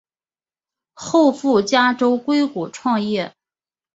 后赴加州硅谷创业。